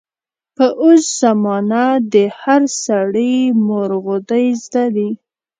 په اوس زمانه د هر سړي مورغودۍ زده دي.